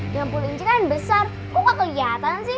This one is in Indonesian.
jambul incinan besar kok gak keliatan sih